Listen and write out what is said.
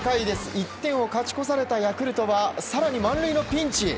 １点を勝ち越されたヤクルトは更に満塁のピンチ。